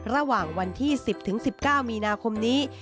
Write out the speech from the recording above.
ระหว่างวันที่๑๐๑๙มีนาคมนี้